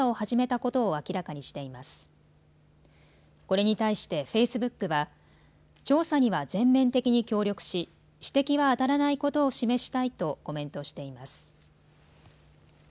これに対してフェイスブックは調査には全面的に協力し、指摘はあたらないことを示したいとコメントしています。